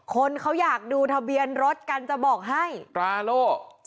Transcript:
คนเขาอยากดูทะเบียนรถกันจะบอกให้ตราโล่